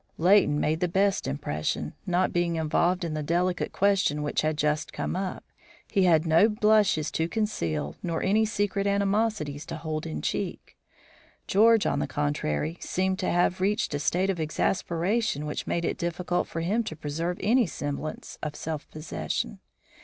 Leighton made the best impression. Not being involved in the delicate question which had just come up, he had no blushes to conceal nor any secret animosities to hold in check. George, on the contrary, seemed to have reached a state of exasperation which made it difficult for him to preserve any semblance of self possession.